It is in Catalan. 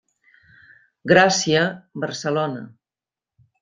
Gràcia, Barcelona.